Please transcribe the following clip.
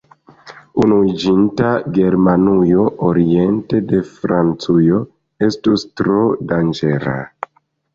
Unuiĝinta Germanujo oriente de Francujo estus tro danĝera.